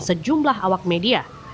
sejumlah awak media